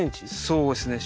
そうですね。